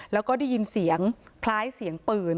แล้วก็ได้ยินเสียงคล้ายเสียงปืน